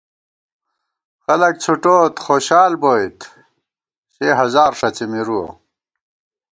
خلَک څھُٹوٹ خوشال بوئیت سے ہزار ݭڅی مِرُوَہ